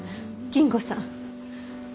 金吾さん